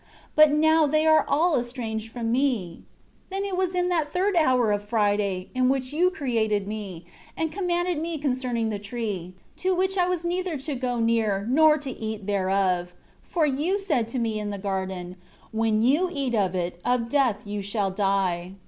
But now they are all estranged from me. 10 Then it was in that third hour of Friday, in which You created me, and commanded me concerning the tree, to which I was neither to go near, nor to eat thereof; for You said to me in the garden, 'When you eat of it, of death you shall die.'